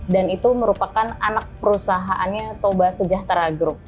dan itu merupakan anak perusahaannya toba sejahtera group